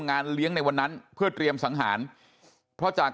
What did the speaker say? งานเลี้ยงในวันนั้นเพื่อเตรียมสังหารเพราะจาก